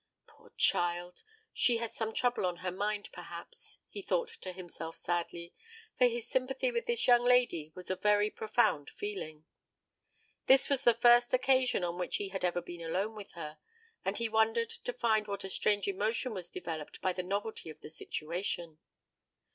"Poor child! she has some trouble on her mind, perhaps," he thought to himself sadly, for his sympathy with this young lady was a very profound feeling. This was the first occasion on which he had ever been alone with her, and he wondered to find what a strange emotion was developed by the novelty of the situation.